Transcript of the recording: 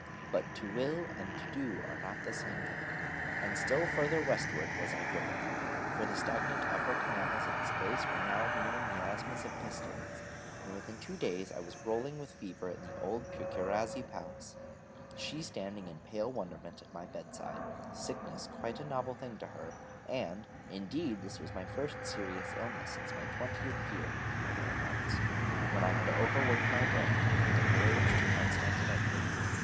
But to will and to do are not the same thing, and still further Westward was I driven. For the stagnant upper canals of this place are now mere miasmas of pestilence: and within two days I was rolling with fever in the Old Procurazie Palace, she standing in pale wonderment at my bed side, sickness quite a novel thing to her: and, indeed, this was my first serious illness since my twentieth year or thereabouts, when I had over worked my brain, and went a voyage to Constantinople.